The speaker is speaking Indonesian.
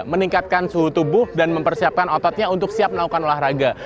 meningkatkan suhu tubuh dan mempersiapkan ototnya untuk siap melakukan olahraga